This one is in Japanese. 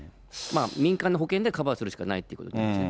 民間の保険でカバーするしかないということですね。